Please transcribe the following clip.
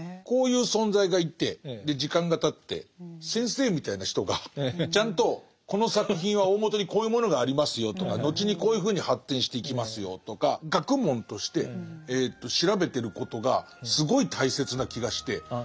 こういう存在がいてで時間がたって先生みたいな人がちゃんとこの作品は大もとにこういうものがありますよとか後にこういうふうに発展していきますよとか学問として調べてることがすごい大切な気がして。